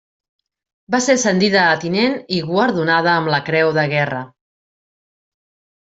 Va ser ascendida a tinent i guardonada amb la Creu de Guerra.